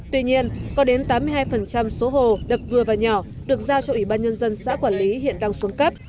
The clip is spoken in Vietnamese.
tuy nhiên có đến tám mươi hai số hồ đập vừa và nhỏ được giao cho ủy ban nhân dân xã quản lý hiện đang xuống cấp